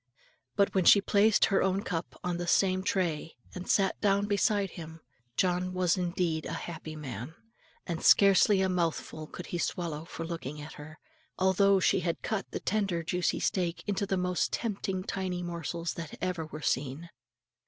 But when she placed her own cup on the same tray, and sat down beside him, John was indeed a happy man; and scarcely a mouthful could he swallow for looking at her, although she had cut the tender juicy steak into the most tempting tiny morsels that ever were seen.